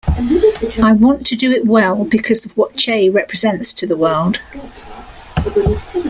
I want to do it well because of what Che represents to the world.